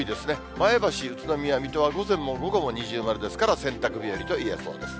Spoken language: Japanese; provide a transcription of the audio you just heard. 前橋、宇都宮、水戸は午前も午後も二重丸ですから、洗濯日和といえそうです。